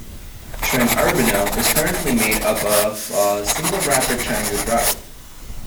Tren Urbano is currently made up of a single rapid transit route.